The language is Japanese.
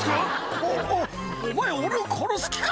お前、俺を殺す気か？